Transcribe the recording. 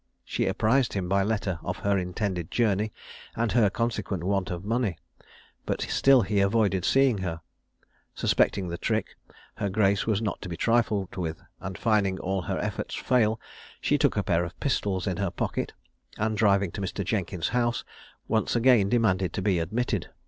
She apprised him, by letter, of her intended journey, and her consequent want of money; but still he avoided seeing her. Suspecting the trick, her grace was not to be trifled with, and finding all her efforts fail, she took a pair of pistols in her pocket, and driving to Mr. Jenkins's house, once again demanded to be admitted.